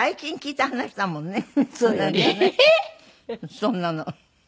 そうなの。